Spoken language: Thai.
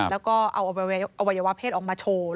แล้วก็เอาอวัยวะเพศออกมาโชว์